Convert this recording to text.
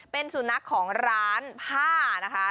เป็นสุนัขของร้านผ้านะคะ